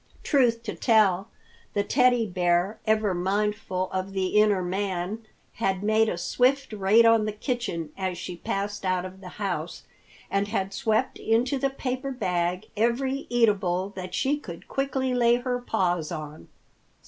Truth to tell, the Teddy Bear, ever mindful of the inner man, had made a swift raid on the kitchen as she passed out of the house, and had swept into the paper bag every eatable that she could quickly lay her paws on.